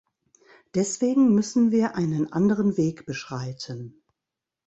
Deswegen müssen wir einen anderen Weg beschreiten.